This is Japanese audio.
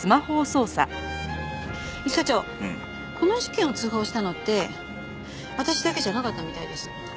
一課長この事件を通報したのって私だけじゃなかったみたいです。